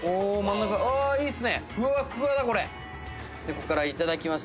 こっからいただきます。